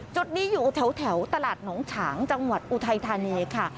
จุดนี้อยู่แถวตลาดหนองฉางจังหวัดอุทัยธานีค่ะ